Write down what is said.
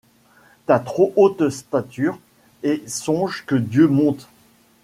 Ta trop haute stature, et songe que Dieu monte